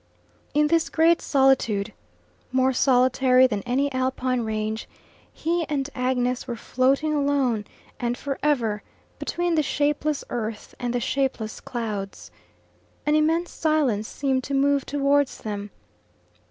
In this great solitude more solitary than any Alpine range he and Agnes were floating alone and for ever, between the shapeless earth and the shapeless clouds. An immense silence seemed to move towards them.